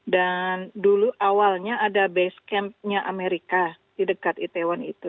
dan dulu awalnya ada base camp nya amerika di dekat itaewon itu